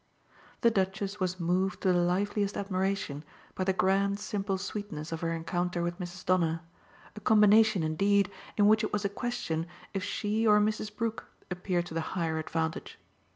The Duchess was moved to the liveliest admiration by the grand simple sweetness of her encounter with Mrs. Donner, a combination indeed in which it was a question if she or Mrs. Brook appeared to the higher advantage.